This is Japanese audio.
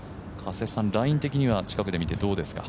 ライン的には近くで見てどうですか？